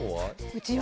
うちは。